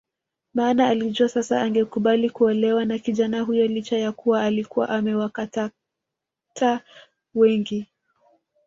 Maana alijua sasa angekubali kuolewa na kijana huyo licha ya kuwa alikuwa amewakatata wengi